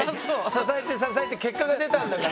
支えて支えて結果が出たんだから。